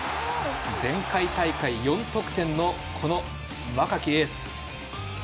前回大会４得点の若きエース。